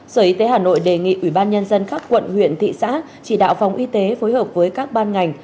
sở y tế hà nội đề nghị ủy ban nhân dân các quận huyện thị xã chỉ đạo phòng y tế phối hợp với các ban ngành